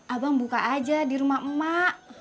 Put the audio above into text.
abang buka aja di rumah emak emak